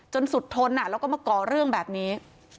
สุดทนแล้วก็มาก่อเรื่องแบบนี้